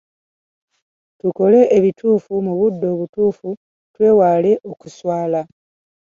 Tukole ebituufu mu budde obutuufu, twewale okuswala.